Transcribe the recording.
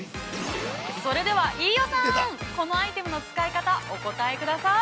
◆それでは飯尾さん、このアイテムの使い方、お答えください。